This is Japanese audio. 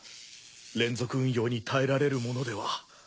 連続運用に耐えられるものでは。